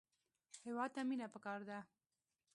هېواد ته مینه پکار ده